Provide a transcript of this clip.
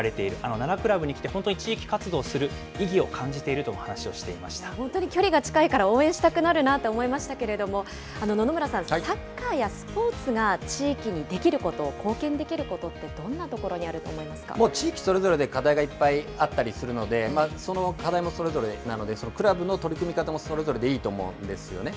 奈良クラブに来て、本当に地域活動をする意義を感じていると話を本当に距離が近いから、応援したくなるなと思いましたけれども、野々村さん、サッカーやスポーツが地域にできること、貢献できることってどんなところにある地域それぞれで課題がいっぱいあったりするので、その課題もそれぞれなので、クラブの取り組み方もそれぞれでいいと思うんですよね。